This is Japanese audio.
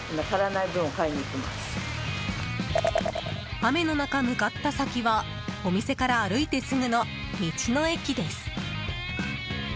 雨の中、向かった先はお店から歩いてすぐの道の駅です。